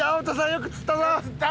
よく釣ったぞ！